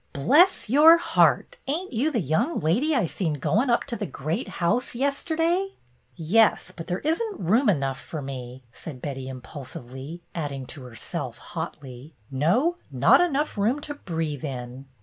"Bless your heart, ain't you the young lady I seen goin' up to the great house yest'day ?" "Yes, but there is n't room enough for me," said Betty, impulsively, adding to herself, hotly: "No, not enough room to breathe in